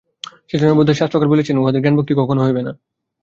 সেইজন্যই বোধ হয় শাস্ত্রকার বলিয়াছেন, উহাদের জ্ঞানভক্তি কখনও হইবে না।